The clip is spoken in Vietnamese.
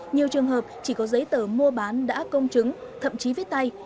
nhiều trường hợp chỉ có giấy tờ mua bán đã công chứng thậm chí viết tay